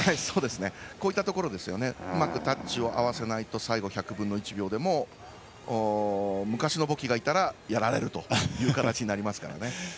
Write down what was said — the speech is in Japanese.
こういったところうまくタッチを合わせないと最後１００分の１秒でも昔のボキがいたらやられるという形になりますから。